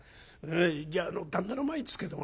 じゃあ旦那の前ですけどもね